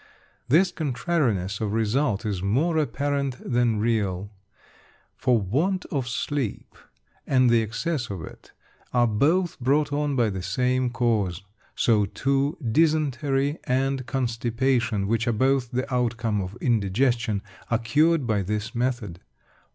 This contrariness of result is more apparent than real; for want of sleep, and the excess of it, are both brought on by the same cause. So too, dysentery and constipation, which are both the outcome of indigestion, are cured by this method.